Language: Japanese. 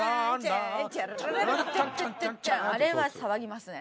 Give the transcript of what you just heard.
あれは騒ぎますね。